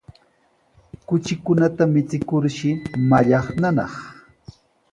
Kuchikunata michikurshi mallaqnanaq.